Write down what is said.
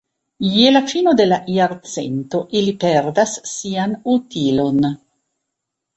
Je la fino de la jarcento ili perdas sian utilon.